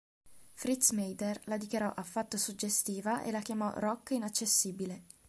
Fritz Mader la dichiarò "Affatto suggestiva" e la chiamò "Roc inaccessibile".